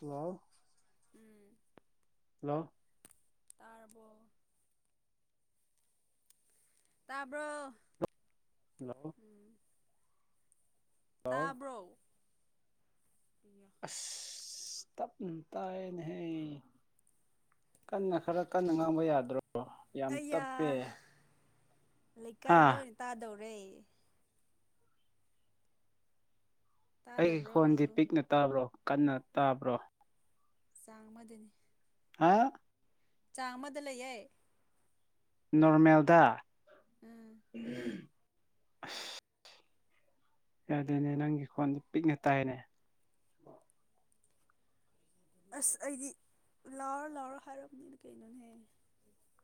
hello ꯎꯝ hello ꯇꯥꯔꯕꯣ ꯇꯥꯕ꯭ꯔꯣ [unintelligible] ꯂꯣ ꯎꯝ hello ꯏꯌꯥ ꯇꯞ ꯇꯥꯏꯅꯦꯍꯦ ꯀꯟꯅ ꯈꯔ ꯀꯟꯅ ꯉꯥꯡꯕ ꯌꯥꯗ꯭ꯔꯣ ꯌꯥꯝ ꯑꯩꯌꯥ ꯇꯞꯄꯦ ꯂꯩꯀꯥꯏ ꯍꯥ ꯂꯣꯏꯅ ꯇꯥꯗꯧꯔꯦ ꯑꯩꯒꯤ ꯇꯥꯗꯕ꯭ꯔꯣ ꯈꯣꯟꯗꯤ ꯄꯤꯛꯅ ꯇꯥꯕ꯭ꯔꯣ ꯀꯟꯅ ꯇꯥꯕ꯭ꯔꯣ ꯆꯥꯡ ꯑꯃꯗꯅꯤ ꯍꯥ ꯆꯥꯡ ꯑꯃꯗ ꯂꯩꯌꯦ ꯅꯣꯔꯃꯦꯜꯗ ꯎꯝ ꯌꯥꯗꯦꯅꯦ ꯅꯪꯒꯤ ꯈꯣꯟ ꯄꯤꯛꯅ ꯇꯥꯏꯌꯦꯅꯦ ꯑꯁ ꯑꯩꯗꯤ ꯂꯥꯎꯔ ꯂꯥꯎꯔ ꯍꯥꯏꯔꯕꯅꯤ ꯀꯩꯅꯣꯅꯦ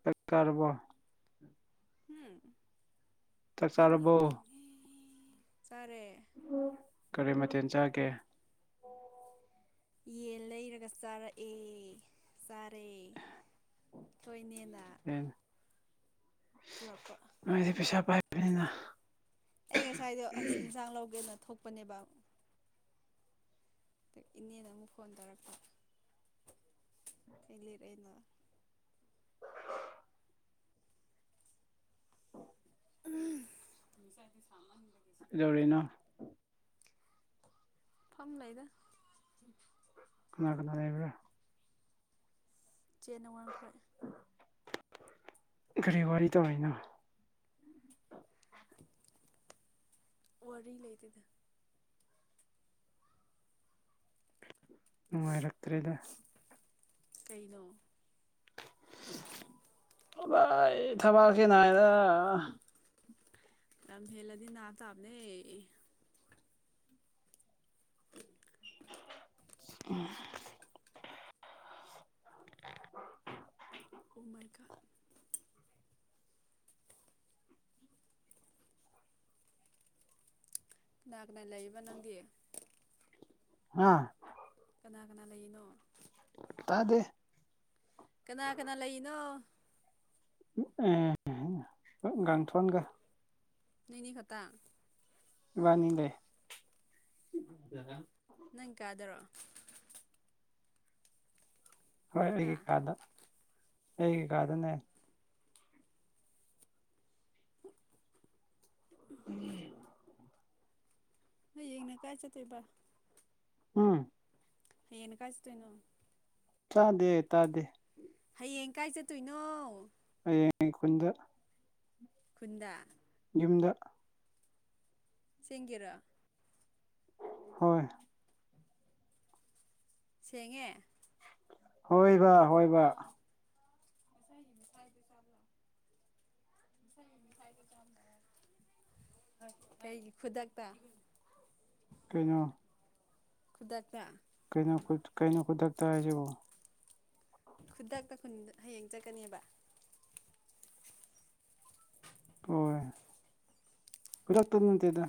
ꯆꯥꯛ ꯆꯥꯔꯕꯣ ꯎꯝ ꯆꯥꯛ ꯆꯥꯔꯕꯣ ꯆꯥꯔꯦ ꯀꯔꯤ ꯃꯊꯦꯜ ꯆꯥꯒꯦ ꯌꯦꯟ ꯂꯩꯔꯒ ꯆꯥꯔꯛꯑꯦ ꯆꯥꯔꯦ ꯈꯣꯏ ꯏꯅꯦꯅ ꯑꯦ ꯄꯨꯔꯛꯄ ꯄꯥꯏꯕꯅꯤꯅ ꯑꯩ ꯉꯁꯥꯏꯗꯣ ꯑꯁ ꯏꯟꯁꯥꯡ ꯂꯧꯒꯦꯅ ꯊꯣꯛꯄꯅꯦꯕ ꯏꯅꯦꯅ ꯑꯃꯨꯛ ꯐꯣꯟ ꯇꯧꯔꯛꯄ ꯑꯩꯅ ꯉꯁꯥꯏꯗꯣ ꯁꯃꯟꯕꯒꯤ ꯀꯩꯗꯧꯔꯤꯅꯣ ꯐꯝ ꯂꯩꯗ ꯀꯅꯥ ꯀꯅꯥ ꯂꯩꯕ꯭ꯔꯥ ꯆꯦ ꯅꯋꯥꯡꯈꯣꯏ ꯀꯔꯤ ꯋꯥꯔꯤ ꯇꯨꯔꯤꯅꯣ ꯋꯥꯔꯤ ꯂꯩꯇꯦꯗ ꯅꯨꯡꯉꯥꯏꯔꯛꯇ꯭ꯔꯦꯗ ꯀꯩꯅꯣ ꯑꯕꯥꯏ ꯊꯕꯥꯛꯁꯦ ꯅꯥꯏꯗ ꯂꯝ ꯍꯦꯜꯂꯗꯤ ꯅꯥꯕ ꯇꯥꯕꯅꯦ ꯎꯝ ꯑꯣ ꯃꯥꯏ ꯒꯣꯠ ꯀꯅꯥ ꯀꯅꯥ ꯂꯩꯕ ꯅꯪꯗꯤ ꯑꯥ ꯀꯅꯥ ꯀꯅꯥ ꯂꯩꯔꯤꯅꯣ ꯇꯥꯗꯦ ꯀꯅꯥ ꯀꯅꯥ ꯂꯩꯔꯤꯅꯣ ꯑꯦ ꯒꯥꯡꯊꯣꯟꯒ ꯅꯣꯏ ꯑꯅꯤ ꯈꯛꯇ ꯏꯕꯥꯅꯤ ꯂꯩ ꯅꯪ ꯀꯥꯗꯔꯣ ꯍꯣꯏ ꯍꯥ ꯑꯩꯒꯤ ꯀꯥꯗ ꯑꯩꯒꯤ ꯀꯥꯗꯅꯦ ꯎꯝ ꯅꯣꯏ ꯍꯌꯦꯡꯅ ꯀꯥꯏ ꯆꯠꯇꯣꯏꯕ ꯎꯝ ꯍꯌꯦꯡꯅ ꯀꯥꯏ ꯆꯠꯇꯣꯏꯅꯣ ꯇꯥꯗꯦ ꯇꯥꯗꯦ ꯍꯌꯦꯡ ꯀꯥꯏ ꯆꯠꯇꯣꯏꯅꯣ ꯍꯌꯦꯡ ꯈꯨꯟꯗ ꯈꯨꯟꯗ ꯌꯨꯝꯗ ꯆꯤꯡꯒꯤꯔꯣ ꯍꯣꯏ ꯁꯦꯡꯉꯦ ꯍꯣꯏꯕ ꯍꯣꯏꯕ ꯉꯁꯥꯏꯒꯤ ꯃꯤꯊꯥꯏꯗꯣ ꯆꯥꯕꯔꯣ ꯉꯁꯥꯥꯏꯒꯤ ꯃꯤꯊꯥꯏꯗꯣ ꯆꯥꯕꯔꯣ ꯀꯩꯒꯤ ꯈꯨꯗꯛꯇ ꯀꯩꯅꯣ ꯈꯨꯗꯛꯇ ꯀꯩꯅꯣ ꯈꯨꯠ ꯀꯩꯅꯣ ꯈꯨꯗꯛꯇ ꯍꯥꯏꯁꯤꯕꯣ ꯈꯨꯗꯛꯇ ꯈꯨꯟꯗ ꯍꯌꯦꯡ ꯆꯠꯀꯅꯦꯕ ꯍꯣꯏ ꯈꯨꯗꯛꯇ ꯅꯠꯇꯦꯗ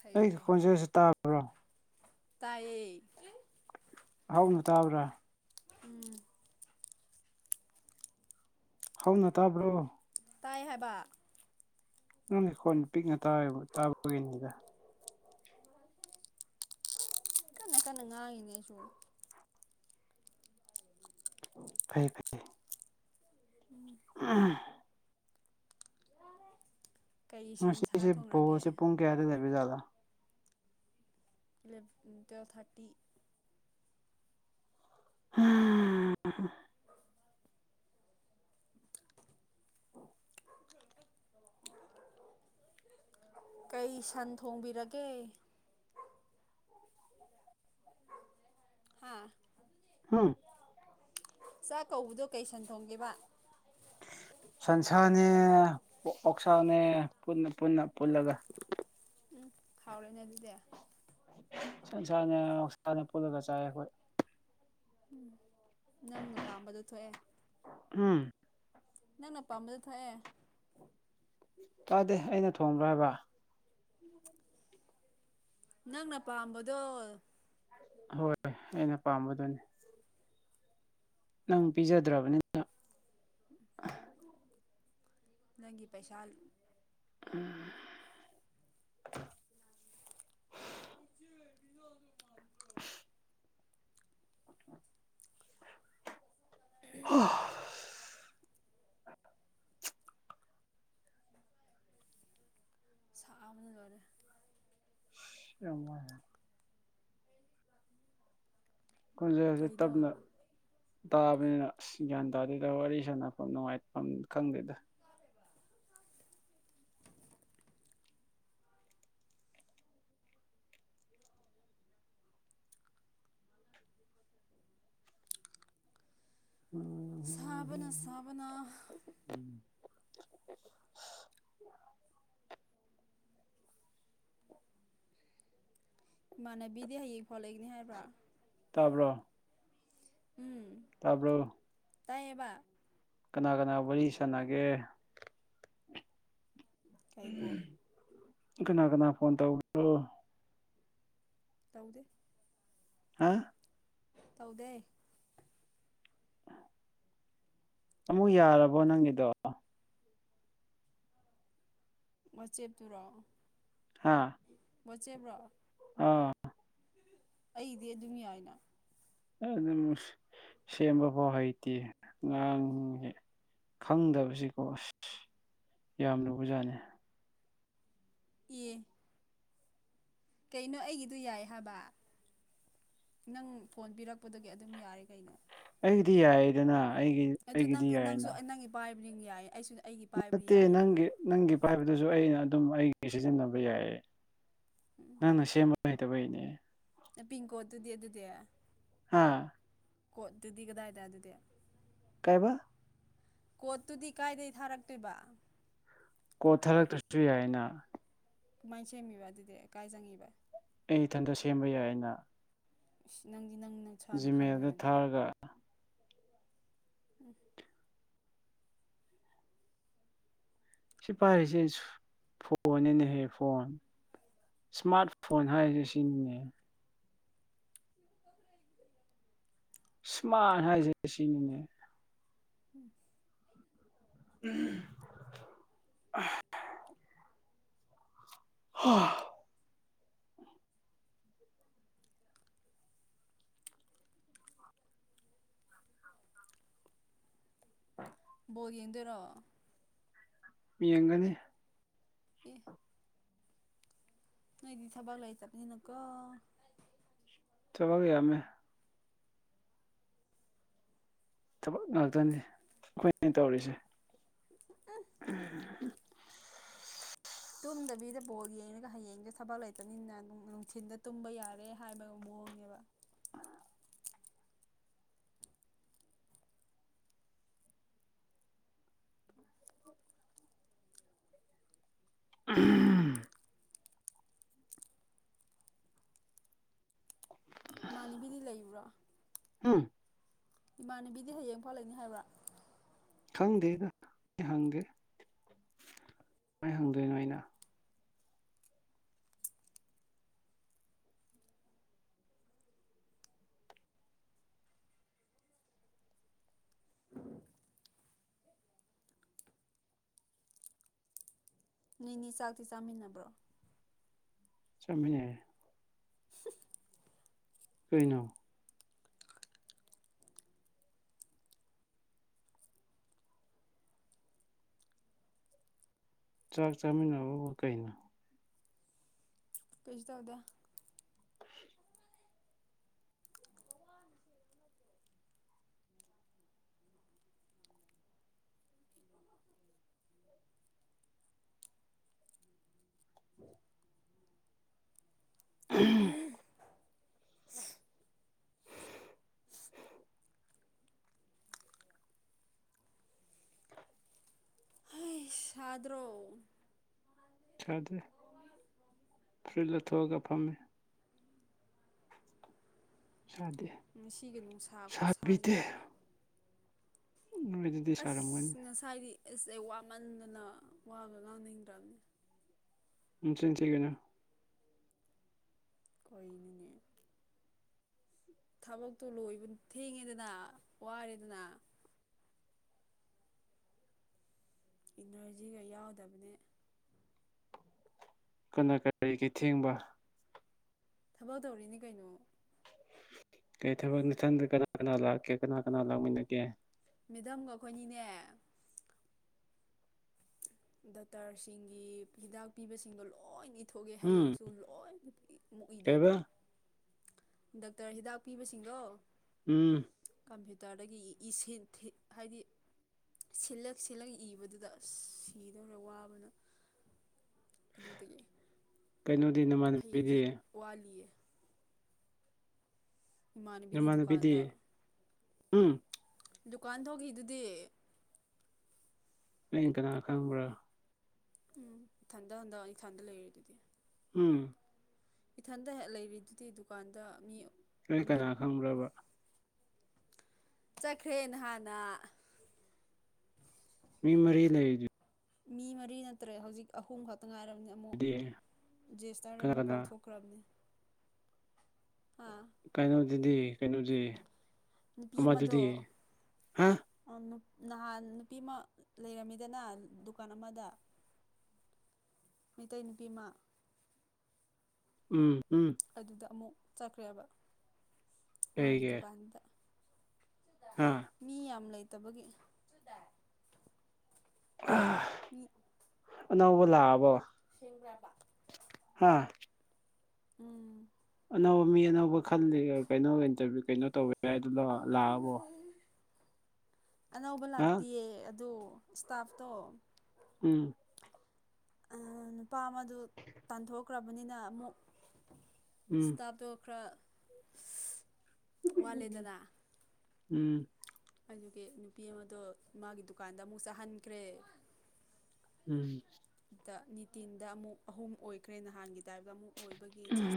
ꯐꯩꯌꯦ ꯑꯩꯒꯤ ꯐꯩꯌꯦ ꯈꯣꯟꯖꯦꯜꯁꯦ ꯇꯥꯕ꯭ꯔꯣ ꯇꯥꯏꯌꯦ ꯍꯧꯅ ꯇꯥꯕ꯭ꯔꯥ ꯎꯝ ꯍꯧꯅ ꯇꯥꯕ꯭ꯔꯣ ꯇꯥꯏ ꯍꯥꯏꯕ ꯅꯪꯒꯤ ꯈꯣꯟ ꯄꯤꯛꯅ ꯇꯥꯏꯌꯦꯕ ꯇꯥꯕꯒꯤꯅꯤꯗ ꯀꯟꯅ ꯀꯟꯅ ꯉꯥꯡꯉꯤꯅꯦ ꯑꯩꯁꯨ ꯐꯩ ꯐꯩ ꯎꯝ ꯀꯩ ꯁꯟꯁꯥ ꯉꯁꯤꯁꯦ ꯊꯣꯡꯔꯒꯦ ꯕꯣꯜꯁꯦ ꯄꯨꯡ ꯀꯌꯥꯗ ꯂꯩꯕꯖꯥꯠꯂꯥ ꯏꯂꯚ ꯇꯨꯋꯦꯜ ꯊꯥꯔꯇꯤ ꯍꯥ ꯍꯥ ꯀꯩ ꯁꯟ ꯊꯣꯡꯕꯤꯔꯒꯦ ꯍꯥꯥ ꯍꯨ ꯆꯥꯛ ꯀꯧꯕꯗꯣ ꯀꯩ ꯁꯟ ꯊꯣꯡꯒꯦꯕ ꯁꯟꯁꯥꯅꯦ ꯑꯣꯛꯁꯥꯅꯦ ꯄꯨꯟꯅ ꯄꯨꯟꯅ ꯄꯨꯜꯂꯒ ꯎꯝ ꯍꯥꯎꯔꯦꯅꯦ ꯑꯗꯨꯗꯤ ꯁꯟꯁꯥꯅꯦ ꯑꯣꯛꯁꯥꯅꯦ ꯄꯨꯜꯂꯒ ꯆꯥꯏꯌꯦ ꯑꯩꯈꯣꯏ ꯎꯝ ꯅꯪꯅ ꯄꯥꯝꯕꯗꯣ ꯊꯣꯛꯑꯦ ꯍꯨꯝ ꯅꯪꯅ ꯄꯥꯝꯕꯗꯣ ꯊꯣꯛꯑꯦ ꯇꯥꯗꯦ ꯑꯩꯅ ꯊꯣꯡꯕ꯭ꯔꯥ ꯍꯥꯏꯕ ꯅꯪꯅ ꯄꯥꯝꯕꯗꯣ ꯍꯣꯏ ꯑꯩꯅ ꯄꯥꯝꯕꯗꯨꯅꯤ ꯅꯪ ꯄꯤꯖꯗ꯭ꯔꯕꯅꯤꯅ ꯅꯪꯒꯤ ꯄꯩꯁꯥ ꯎꯝ [unintelligible] ꯍꯥ ꯁꯥꯕꯅ ꯂꯣꯏꯔꯦ ꯌꯥꯝ ꯋꯔꯦ ꯈꯣꯟꯖꯦꯟꯁꯦ ꯀꯩꯅꯣ ꯇꯞꯅ ꯇꯥꯕꯅꯤꯅ ꯑꯁ ꯒ꯭ꯌꯥꯟ ꯇꯥꯗꯦꯗ ꯋꯥꯔꯤ ꯁꯥꯟꯅꯐꯝ ꯅꯨꯡꯉꯥꯏꯐꯝ ꯈꯪꯗꯦꯗ ꯎꯝ ꯁꯥꯕꯅ ꯁꯥꯕꯅ [unintelligible] ꯏꯃꯥꯟꯅꯕꯤꯗꯤ ꯍꯌꯦꯡ ꯐꯧ ꯂꯩꯒꯅꯤ ꯍꯥꯏꯕ꯭ꯔꯥ ꯇꯥꯕ꯭ꯔꯣ ꯎꯝ ꯇꯥꯕꯔꯣ ꯇꯥꯏꯌꯦꯕ ꯀꯅꯥ ꯀꯅꯥ ꯋꯥꯔꯤ ꯁꯥꯟꯅꯒꯦ ꯀꯩꯕꯨ ꯀꯅꯥ ꯀꯅꯥ ꯐꯣꯟ ꯇꯧꯕ꯭ꯔꯣ ꯇꯧꯗꯦ ꯍꯥ ꯇꯧꯗꯦ ꯑꯃꯨꯛ ꯌꯥꯔꯕꯣ ꯅꯪꯒꯤꯗꯣ ꯃꯆꯦꯞ ꯇꯨꯔꯣ ꯍꯥꯥ ꯋꯆꯦꯞꯔꯣ ꯑ ꯑꯩꯗꯤ ꯑꯗꯨꯝ ꯌꯥꯏꯅ ꯑꯗꯨꯝ ꯁꯦꯝꯕ ꯐꯥꯎ ꯍꯩꯇꯦ ꯉꯔꯥꯡꯒꯤ ꯈꯪꯗꯕꯁꯤꯀꯣ ꯑꯁ ꯌꯥꯝ ꯂꯨꯕꯖꯥꯠꯅꯦ ꯑꯦ ꯀꯩꯅꯣ ꯑꯩꯒꯤꯗꯣ ꯌꯥꯏ ꯍꯥꯏꯕ ꯅꯪ ꯐꯣꯟ ꯄꯤꯔꯛꯄꯗꯒꯤ ꯑꯗꯨꯝ ꯌꯥꯔꯦ ꯀꯩꯅꯣ ꯑꯩꯒꯤꯗꯤ ꯌꯥꯏꯌꯦꯗꯅ ꯑꯩꯒꯤ ꯑꯗꯨ ꯅꯪ ꯑꯩꯒꯤꯗꯤ ꯅꯪꯁꯨ ꯌꯥꯏꯅ ꯅꯪꯒꯤ ꯄꯥꯏꯕꯅꯤꯅ ꯌꯥꯏ ꯑꯩꯁꯨ ꯑꯩꯒꯤ ꯄꯥꯏꯕꯅꯤ ꯅꯠꯇꯦ ꯌꯥꯏꯗꯅ ꯅꯪꯒꯤ ꯅꯪꯒꯤ ꯄꯥꯏꯕꯗꯨꯁꯨ ꯑꯩꯅ ꯑꯗꯨꯝ ꯑꯩꯒꯤ ꯁꯤꯖꯤꯟꯅꯕ ꯌꯥꯏꯌꯦ ꯎꯝ ꯅꯪꯅ ꯁꯦꯝꯕ ꯍꯩꯇꯕꯩꯅꯦ ꯄꯤꯡꯀꯣꯠ ꯇꯨꯗꯤ ꯑꯗꯨꯗꯤ ꯍꯥꯥ ꯀꯣꯠ ꯗꯨꯗꯤ ꯀꯗꯥꯏꯗ ꯑꯗꯨꯗꯤ ꯀꯩꯕꯥ ꯀꯣꯠꯇꯨꯗꯤ ꯀꯥꯏꯗꯩꯩ ꯊꯥꯔꯛꯇꯣꯏꯕ ꯀꯣꯠ ꯊꯔꯛꯇꯔꯁꯨ ꯌꯥꯏꯅ ꯀꯃꯥꯏꯅ ꯁꯦꯝꯃꯤꯕ ꯑꯗꯨꯗꯤ ꯀꯥꯏ ꯆꯪꯉꯤꯕ ꯑꯩ ꯏꯊꯟꯇ ꯁꯦꯝꯕ ꯌꯥꯏꯌꯦꯅ ꯑ ꯅꯪꯗꯤ ꯅꯪ ꯅꯁꯥꯅ ꯈꯪꯕ ꯖꯤꯃꯦꯜꯗ ꯑꯣꯏꯔꯝꯅꯤ ꯅ ꯊꯥꯔꯒ ꯁꯤ ꯄꯥꯏꯔꯤꯁꯦ ꯐꯣꯟꯅꯦꯅꯍꯦ ꯐꯣꯟ ꯏꯁꯃꯥꯔꯠ ꯐꯣꯟ ꯍꯥꯏꯔꯤꯁꯦ ꯁꯤꯅꯤꯅꯦ [inaudible] ꯏꯁꯃꯥꯔꯠ ꯍꯥꯏꯔꯤꯁꯦ ꯁꯤꯅꯤꯅꯦ ꯎꯝ ꯎꯝ ꯍꯥ ꯍꯥ [inaudible] ꯕꯣꯜ ꯌꯦꯡꯗꯣꯏꯔꯣ ꯌꯦꯡꯒꯅꯤ ꯑꯦ ꯅꯣꯏꯗꯤ ꯊꯕꯛ ꯂꯩꯇꯕꯅꯤꯅꯀꯣ ꯊꯕꯛ ꯌꯥꯝꯃꯦ ꯊꯕꯛ ꯉꯥꯛꯇꯅꯤ ꯑꯩꯈꯣꯏꯅ ꯇꯧꯔꯤꯁꯦ ꯎꯝ [unintelligible] ꯇꯨꯝꯗꯕꯤꯗ ꯕꯣꯜ ꯌꯦꯡꯉꯒ ꯍꯌꯦꯡꯁꯦ ꯊꯕꯛ ꯂꯩꯇꯕꯅꯤꯅ ꯅꯨꯡꯊꯤꯟꯗ ꯇꯨꯝꯕ ꯌꯥꯔꯦ ꯍꯥꯏꯕ ꯃꯑꯣꯡꯅꯦꯕ ꯎꯝ ꯏꯃꯥꯟꯅꯕꯤꯗꯤ ꯂꯩꯕ꯭ꯔꯣ ꯎꯝ ꯏꯃꯥꯟꯅꯕꯤꯗꯤ ꯍꯌꯦꯡ ꯐꯧ ꯂꯩꯅꯤ ꯍꯥꯏꯕ꯭ꯔ ꯈꯪꯗꯦꯗ ꯑꯩ ꯍꯪꯗꯦ ꯀꯃꯥꯏ ꯍꯪꯗꯣꯏꯅꯣ ꯑꯩꯅ ꯅꯣꯏꯅꯤ ꯆꯥꯛꯇꯤ ꯆꯥꯃꯤꯟꯅꯕ꯭ꯔꯣ ꯆꯥꯃꯤꯟꯅꯩꯌꯦ ꯀꯩꯅꯣ ꯆꯥꯛ ꯆꯥꯃꯤꯟꯅꯕꯔꯕꯨ ꯀꯩꯅꯣ ꯀꯩꯁꯨ ꯇꯧꯗꯦ ꯎꯝ ꯍꯩ ꯁꯥꯗ꯭ꯔꯣ ꯁꯥꯗꯦ ꯐꯨꯔꯤꯠ ꯂꯧꯊꯣꯛꯑꯒ ꯐꯝꯃꯤ ꯁꯥꯗꯦ ꯉꯁꯤꯒꯤ ꯅꯨꯡꯁꯥ ꯈꯨꯁꯥꯁꯤꯗꯤ ꯎꯝ ꯑꯁ ꯉꯁꯥꯏꯗꯤ ꯑꯁ ꯑꯩ ꯋꯥꯃꯟꯗꯅ ꯋꯥꯒ ꯉꯥꯡꯅꯤꯡꯗ꯭ꯔꯕꯅꯤ ꯅꯆꯤꯟ ꯊꯤꯒꯅꯣ ꯀꯩꯅꯣꯅꯦ ꯊꯕꯛꯇꯨ ꯂꯣꯏꯕ ꯊꯦꯡꯉꯦꯗꯅ ꯋꯥꯔꯦꯗꯅ ꯏꯅꯔꯖꯤꯒ ꯌꯥꯎꯗꯕꯅꯦ ꯀꯅꯥ ꯀꯔꯤꯒꯤ ꯊꯦꯡꯕ ꯊꯕꯛ ꯇꯧꯔꯤꯅꯤ ꯀꯩꯅꯣ ꯀꯔꯤ ꯊꯕꯛ ꯅꯊꯟꯗ ꯀꯅꯥ ꯀꯅꯥ ꯂꯥꯛꯀꯦ ꯀꯅꯥ ꯀꯅꯥ ꯂꯥꯛꯃꯤꯟꯅꯒꯦ ꯃꯦꯗꯥꯝꯒ ꯑꯩꯈꯣꯏ ꯑꯅꯤꯅꯦ ꯗꯣꯛꯇꯔꯁꯤꯡꯒꯤ ꯍꯤꯗꯥꯛ ꯄꯤꯕꯁꯤꯡꯗꯣ ꯂꯣꯏꯅ ꯏꯊꯣꯛꯑꯦ ꯎꯝ ꯍꯌꯦꯡꯁꯨ ꯂꯣꯏꯅꯃꯛ ꯑꯃꯨꯛ ꯏꯗꯣꯏꯅꯤ ꯀꯩꯕ ꯗꯥꯛꯇꯔ ꯍꯤꯗꯥꯛ ꯄꯤꯕꯁꯤꯡꯗꯣ ꯎꯝ ꯀꯝꯄ꯭ꯌꯨꯇꯔꯗꯒꯤ ꯑꯦꯁꯦꯟ ꯊꯤꯠ ꯍꯥꯏꯗꯤ ꯁꯤꯂꯒ ꯁꯤꯂꯒ ꯏꯕꯗꯨꯗ ꯁꯤꯗꯧꯔ ꯋꯥꯕꯅ ꯑꯗꯨꯗꯒꯤ ꯀꯩꯅꯣꯗꯤ ꯅꯃꯥꯟꯅꯕꯤꯗꯤ ꯋꯥꯂꯤꯌꯦ ꯏꯃꯥꯟꯅꯕꯤꯗꯤ ꯅꯥꯝꯅꯥꯕꯤꯗꯤ ꯗꯨꯀꯥꯟꯗ ꯎꯝ ꯗꯨꯀꯥꯟ ꯊꯣꯛꯈꯤꯗꯨꯗꯤ ꯑꯩ ꯀꯅꯥ ꯈꯪꯕ꯭ꯔꯥ ꯎꯝ ꯏꯊꯟꯗ ꯍꯟꯗ ꯏꯊꯟꯗ ꯂꯩꯔꯦꯗꯨꯗꯤ ꯎꯝ ꯏꯊꯟꯗ ꯍꯦꯛ ꯂꯩꯔꯤꯗꯨꯗꯤ ꯗꯨꯀꯥꯟꯗ ꯃꯤ ꯅꯣꯏ ꯑꯃ ꯀꯅꯥ ꯈꯪꯕ꯭ꯔꯕ ꯆꯠꯈ꯭ꯔꯦ ꯅꯍꯥꯟꯅ ꯃꯤ ꯃꯔꯤ ꯂꯩꯗꯨ ꯃꯤ ꯃꯔꯤ ꯅꯠꯇ꯭ꯔꯦ ꯍꯧꯖꯤꯛ ꯑꯍꯨꯝ ꯈꯛꯇ ꯉꯥꯏꯔꯕꯅꯤ ꯑꯃꯨꯛ ꯖꯦꯁꯇꯔ ꯀꯅꯥ ꯑꯃꯨꯛ ꯀꯅꯥ ꯀꯥꯎꯊꯣꯛ ꯀꯝꯅꯤ ꯀꯩꯅꯣꯗꯨꯗꯤ ꯀꯩꯅꯣꯗꯤ ꯅꯨꯄꯤ ꯑꯃꯗꯨꯗꯤ ꯑꯃꯗꯣ ꯍꯥ ꯅꯍꯥꯟ ꯅꯨꯄꯤ ꯑꯃ ꯂꯩꯔꯝꯃꯤꯗꯅ ꯗꯨꯀꯥꯟ ꯑꯃꯗ ꯃꯩꯇꯩ ꯅꯨꯄꯤꯃ ꯎꯝ ꯎꯝ ꯑꯗꯨꯗ ꯑꯃꯨꯛ ꯆꯠꯈ꯭ꯔꯦꯕ ꯃꯥꯒꯤ ꯀꯩꯒꯤ ꯗꯨꯀꯥꯟꯗ ꯍꯥ ꯃꯤ ꯌꯥꯝ ꯂꯩꯇꯕꯒꯤ ꯑꯥ ꯃꯤ ꯑꯅꯧꯕꯥ ꯂꯥꯛꯑꯕꯣ ꯁꯤꯡꯕꯔꯕ ꯑꯥ ꯎꯝ ꯑꯅꯧꯕ ꯃꯤ ꯑꯅꯧꯕ ꯈꯜꯂꯤ ꯀꯩꯅꯣ ꯏꯟꯇꯔꯚꯤꯌꯨ ꯀꯩꯅꯣ ꯇꯧꯕꯦ ꯍꯥꯏꯗꯨꯗꯣ ꯂꯥꯛꯑꯕꯣ ꯑꯅꯧꯕ ꯍꯥ ꯂꯥꯛꯇꯤꯌꯦ ꯑꯗꯨ ꯏꯁꯇꯥꯐꯇꯣ ꯎꯝ ꯅꯨꯄꯥ ꯑꯃꯗꯨ ꯇꯥꯟꯊꯣꯛꯈ꯭ꯔꯕꯅꯤꯅ ꯑꯃꯨꯛ ꯎꯝ ꯏꯁꯇꯥꯞ ꯇꯣ ꯈ꯭ꯔ ꯋꯥꯂꯦꯗꯅꯥ ꯎꯝ ꯑꯗꯨꯒꯤ ꯅꯨꯄꯤ ꯑꯃꯗꯣ ꯃꯥꯒꯤ ꯗꯨꯀꯥꯟꯗ ꯑꯃꯨꯛ ꯆꯥꯍꯟꯈ꯭ꯔꯦ ꯎꯝ ꯗ ꯅꯤꯇꯤꯟꯗ ꯑꯃꯨꯛ ꯑꯍꯨꯝ ꯑꯣꯏꯈ꯭ꯔꯦ ꯅꯍꯥꯟꯒꯤ ꯇꯥꯏꯞꯇ ꯑꯃꯨꯛ ꯑꯣꯏꯕꯒꯤ ꯖꯦꯁ